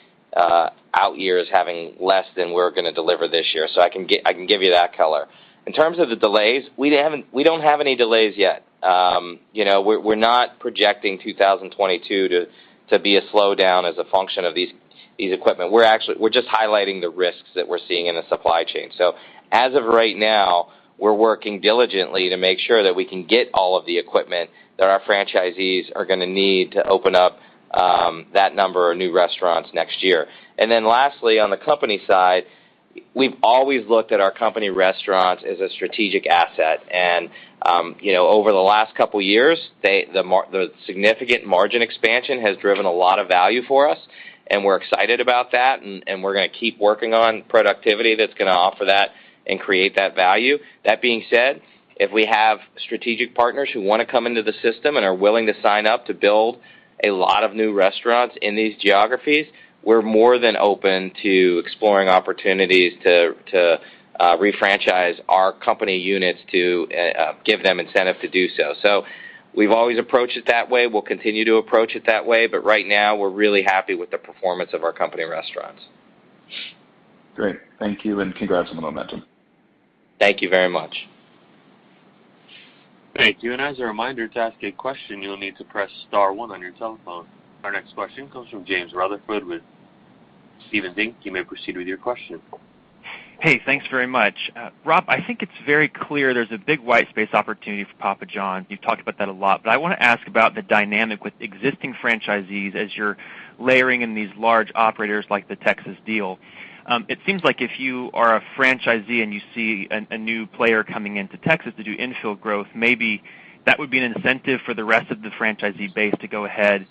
out years having less than we're gonna deliver this year, so I can give you that color. In terms of the delays, we don't have any delays yet. You know, we're not projecting 2022 to be a slowdown as a function of these equipment. We're just highlighting the risks that we're seeing in the supply chain. As of right now, we're working diligently to make sure that we can get all of the equipment that our franchisees are gonna need to open up that number of new restaurants next year. Lastly, on the company side, we've always looked at our company restaurants as a strategic asset. You know, over the last couple years, the significant margin expansion has driven a lot of value for us, and we're excited about that, and we're gonna keep working on productivity that's gonna offer that and create that value. That being said, if we have strategic partners who wanna come into the system and are willing to sign up to build a lot of new restaurants in these geographies, we're more than open to exploring opportunities to refranchise our company units to give them incentive to do so. We've always approached it that way. We'll continue to approach it that way. Right now, we're really happy with the performance of our company restaurants. Great. Thank you, and congrats on the momentum. Thank you very much. Thank you. As a reminder, to ask a question, you'll need to press star one on your telephone. Our next question comes from James Rutherford with Stephens Inc. You may proceed with your question. Hey, thanks very much. Rob, I think it's very clear there's a big white space opportunity for Papa John's. You've talked about that a lot. I wanna ask about the dynamic with existing franchisees as you're layering in these large operators like the Texas deal. It seems like if you are a franchisee and you see a new player coming into Texas to do infill growth, maybe that would be an incentive for the rest of the franchisee base to go ahead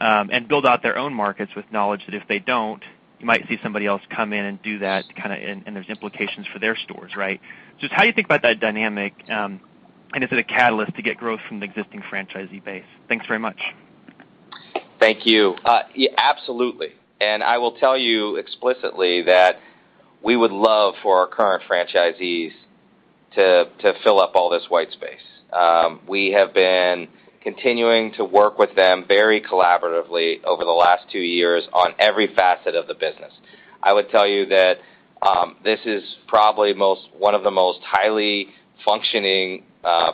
and build out their own markets with knowledge that if they don't, you might see somebody else come in and do that kinda, and there's implications for their stores, right? Just how do you think about that dynamic, and is it a catalyst to get growth from the existing franchisee base? Thanks very much. Thank you. Absolutely. I will tell you explicitly that we would love for our current franchisees to fill up all this white space. We have been continuing to work with them very collaboratively over the last two years on every facet of the business. I would tell you that this is probably one of the most highly functioning,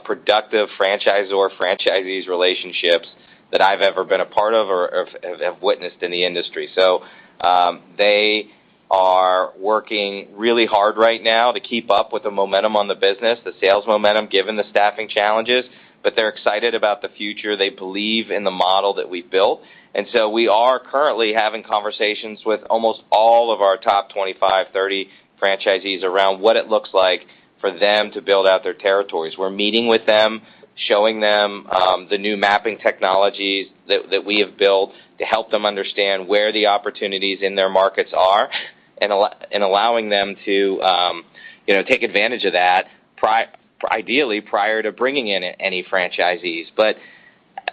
productive franchisor-franchisees relationships that I've ever been a part of or have witnessed in the industry. They are working really hard right now to keep up with the momentum on the business, the sales momentum, given the staffing challenges, but they're excited about the future. They believe in the model that we've built. We are currently having conversations with almost all of our top 25, 30 franchisees around what it looks like for them to build out their territories. We're meeting with them, showing them the new mapping technologies that we have built to help them understand where the opportunities in their markets are and allowing them to, you know, take advantage of that ideally prior to bringing in any franchisees. But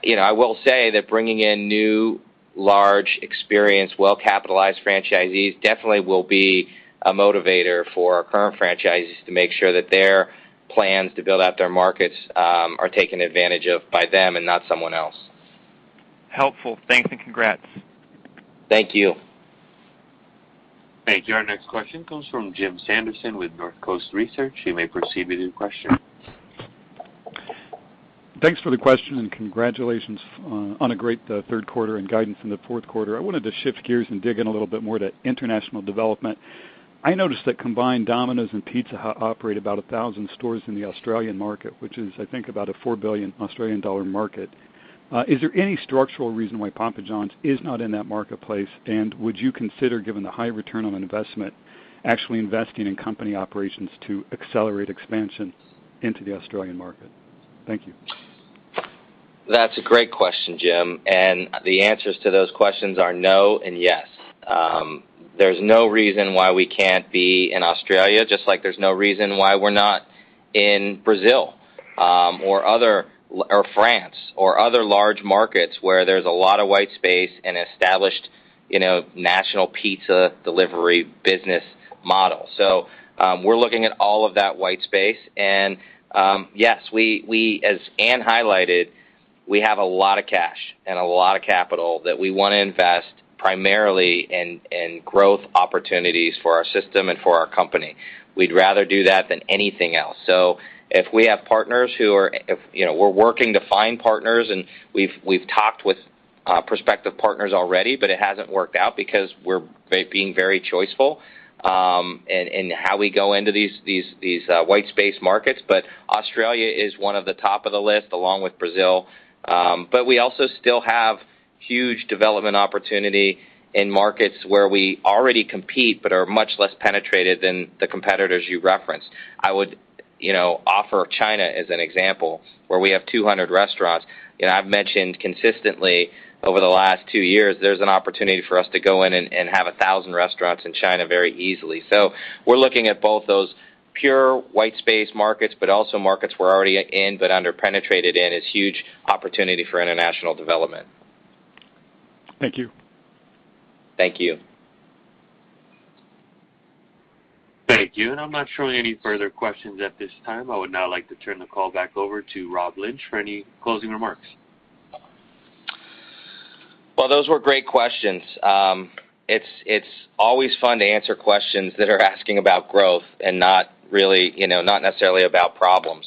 you know, I will say that bringing in new, large, experienced, well-capitalized franchisees definitely will be a motivator for our current franchisees to make sure that their plans to build out their markets are taken advantage of by them and not someone else. Helpful. Thanks and congrats. Thank you. Thank you. Our next question comes from Jim Sanderson with Northcoast Research. You may proceed with your question. Thanks for the question, and congratulations on a great Q3 and guidance in the Q4. I wanted to shift gears and dig in a little bit more to international development. I noticed that combined Domino's and Pizza Hut operate about 1,000 stores in the Australian market, which is, I think, about 4 billion Australian dollar market. Is there any structural reason why Papa John's is not in that marketplace? And would you consider, given the high return on investment, actually investing in company operations to accelerate expansion into the Australian market? Thank you. That's a great question, Jim, and the answers to those questions are no and yes. There's no reason why we can't be in Australia, just like there's no reason why we're not in Brazil, or France or other large markets where there's a lot of white space and established, you know, national pizza delivery business model. We're looking at all of that white space, and, yes, as Ann highlighted, we have a lot of cash and a lot of capital that we wanna invest primarily in growth opportunities for our system and for our company. We'd rather do that than anything else. If we have partners who are, you know, we're working to find partners, and we've talked with prospective partners already, but it hasn't worked out because we're very choiceful in how we go into these white space markets. Australia is one of the top of the list, along with Brazil. We also still have huge development opportunity in markets where we already compete but are much less penetrated than the competitors you referenced. I would, you know, offer China as an example where we have 200 restaurants. You know, I've mentioned consistently over the last two years there's an opportunity for us to go in and have 1,000 restaurants in China very easily. We're looking at both those pure white space markets, but also markets we're already in but under-penetrated in is huge opportunity for international development. Thank you. Thank you. Thank you. I'm not showing any further questions at this time. I would now like to turn the call back over to Rob Lynch for any closing remarks. Well, those were great questions. It's always fun to answer questions that are asking about growth and not really, you know, not necessarily about problems.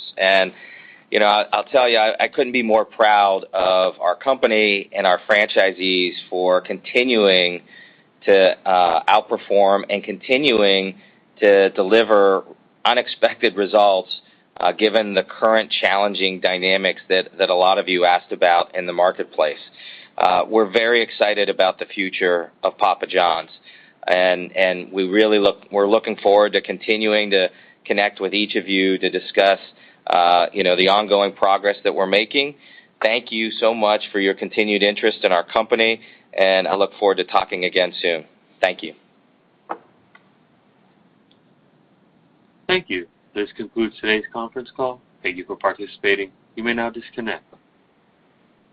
You know, I'll tell you, I couldn't be more proud of our company and our franchisees for continuing to outperform and continuing to deliver unexpected results, given the current challenging dynamics that a lot of you asked about in the marketplace. We're very excited about the future of Papa John's. We're looking forward to continuing to connect with each of you to discuss, you know, the ongoing progress that we're making. Thank you so much for your continued interest in our company, and I look forward to talking again soon. Thank you. Thank you. This concludes today's conference call. Thank you for participating. You may now disconnect.